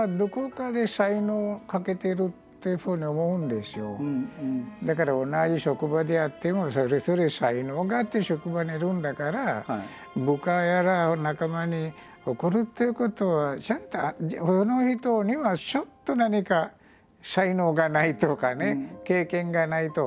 私は個人的にはだから同じ職場であってもそれぞれ才能があって職場にいるんだから部下やら仲間に怒るっていうことはその人にはちょっと何か才能がないとかね経験がないとかね。